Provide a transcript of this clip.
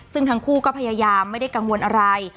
ซึ่งทั้งคู่ก็พยายามไม่ได้กังวลอะไร